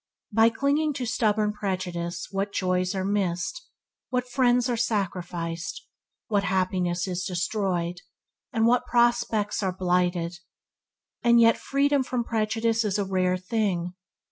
By clinging to stubborn prejudice what joys are missed, what friends are sacrificed, what happiness is destroyed, and what prospects are blighted! And yet freedom from prejudice is a rare thing.